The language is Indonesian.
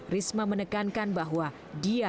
risma menekankan bahwa dia